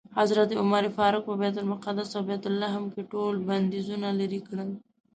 حضرت عمر فاروق په بیت المقدس او بیت لحم کې ټول بندیزونه لرې کړل.